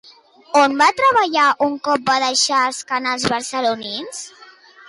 On va treballar un cop va deixar els canals barcelonins?